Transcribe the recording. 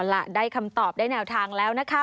ล่ะได้คำตอบได้แนวทางแล้วนะคะ